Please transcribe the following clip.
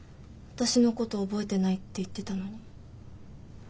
私のこと覚えてないって言ってたのに。